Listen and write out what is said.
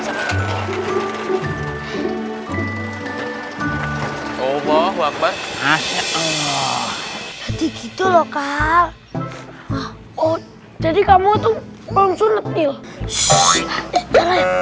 allah wabarakatuh masya allah itu lokal oh jadi kamu tuh langsung